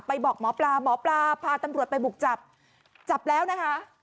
บอกหมอปลาหมอปลาพาตำรวจไปบุกจับจับแล้วนะคะ